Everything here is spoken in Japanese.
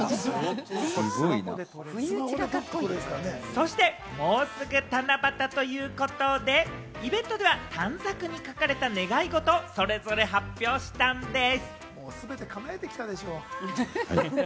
そして、もうすぐ七夕ということで、イベントでは短冊に書かれた願い事をそれぞれ発表したんでぃす。